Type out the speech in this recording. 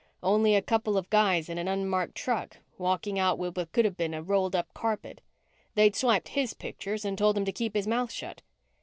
Only a couple of guys in an unmarked truck walking out with what could have been a rolled up carpet. They'd swiped his pictures and told him to keep his mouth shut.